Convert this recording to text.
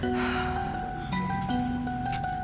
ibu bubut enggak apa apa